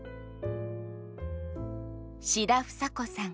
志田房子さん